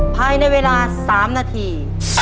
ภายในเวลา๓นาที